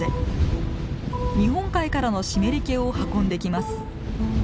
日本海からの湿り気を運んできます。